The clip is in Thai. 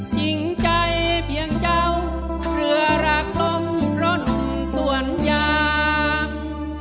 จิ้งใจเพียงเจ้าเผื่อรักลบจุดร้นส่วนยาง